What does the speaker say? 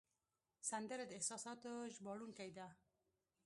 سندره د احساساتو ژباړونکی ده